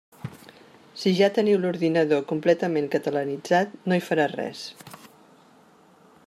Si ja teniu l'ordinador completament catalanitzat, no hi farà res.